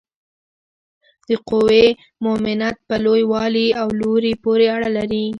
د قوې مومنت په لوی والي او لوري پورې اړه لري.